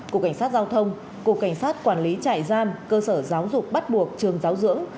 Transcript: cục cảnh sát giao thông cục cảnh sát quản lý trại giam cơ sở giáo dục bắt buộc trường giáo dưỡng